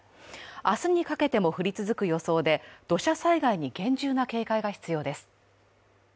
明日にかけても降り続く予想で土砂災害に厳重な警戒が必要です。